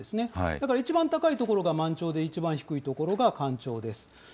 だから一番高いところが満潮で、一番低い所が干潮です。